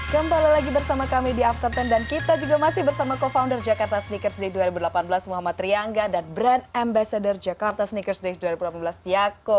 kembali lagi bersama kami di after sepuluh dan kita juga masih bersama co founder jakarta sneakers day dua ribu delapan belas muhammad riana dan brand ambassador jakarta sneakers day dua ribu delapan belas yako